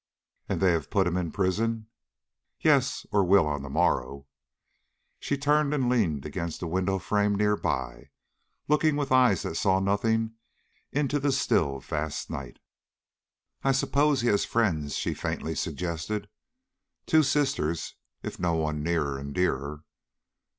"And they have put him in prison?" "Yes, or will on the morrow." She turned and leaned against a window frame near by, looking with eyes that saw nothing into the still vast night. "I suppose he has friends," she faintly suggested. "Two sisters, if no one nearer and dearer."